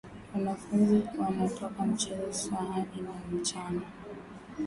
Wanafunzi wana toka mchezo saha ine ya mchana